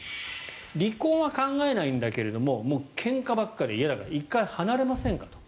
離婚は考えないんだけどけんかばっかりで嫌だから１回離れませんかと。